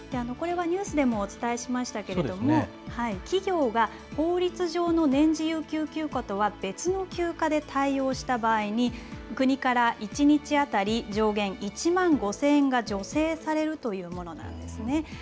これはニュースでもお伝えしましたけれども、企業が法律上の年次有給休暇とは別の休暇で対応した場合に、国から１日当たり上限１万５０００円が助成されるというものなんですね。